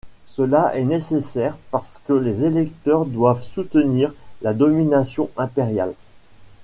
Cela est nécessaire parce que les électeurs doivent soutenir la domination impériale.